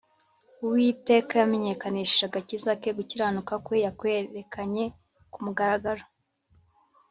Uwiteka yamenyekanishije agakiza ke gukiranuka kwe yakwerekanye ku mugaragaro